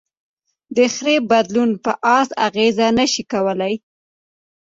د خره بدلون په آس اغېز نهشي کولی.